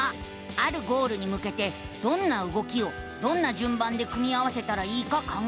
あるゴールにむけてどんな動きをどんなじゅんばんで組み合わせたらいいか考える。